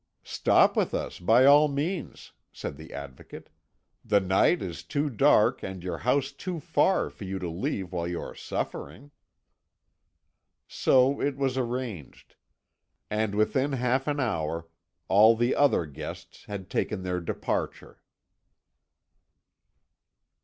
"Stop with us by all means," said the Advocate; "the night is too dark, and your house too far, for you to leave while you are suffering." So it was arranged, and within half an hour all the other guests had taken their departure.